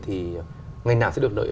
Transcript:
thì ngày nào sẽ được lợi